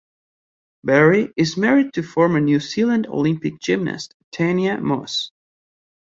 Barry is married to former New Zealand Olympic gymnast Tanya Moss.